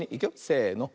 せの。